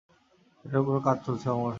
সেটার উপরও কাজ চলছে, অমর।